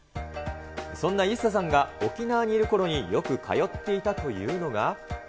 そんなイッサさんが、沖縄にいるころによく通っていたというのが。